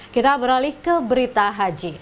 kita beralih ke berita haji